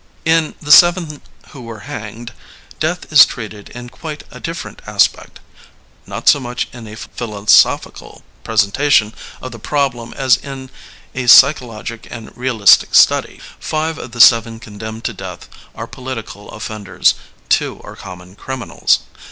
In The Seven Who Were Hanged, death is treated in quite a different aspect — ^not so much in a philo sophical presentation of the problem as in a psycho logic and realistic study. BHve of the seven con demned to death are political offenders; two are common criminals.